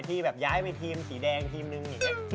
ที่ย้ายไปทีมสีแดงทีมนึง